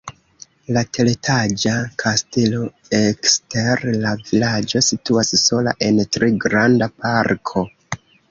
La teretaĝa kastelo ekster la vilaĝo situas sola en tre granda parko.